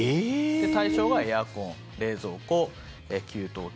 対象はエアコン、冷蔵庫、給湯器